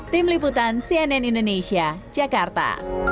tim liputan cnn indonesia jakarta